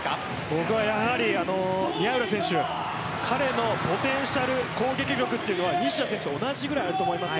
僕は宮浦選手彼のポテンシャル、攻撃力は西田選手と同じぐらいあると思います。